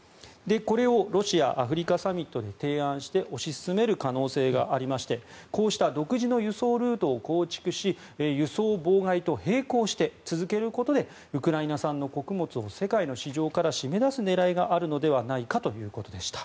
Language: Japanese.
これをロシア・アフリカサミットで提案して推し進める可能性がありましてこうした独自の輸送ルートを構築し輸送妨害と並行して続けることでウクライナ産の穀物を世界の市場から締め出す狙いがあるのではないかということでした。